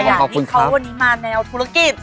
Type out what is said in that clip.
หย่าย่างที่เขาวันนี้มาแนวธุรกิจ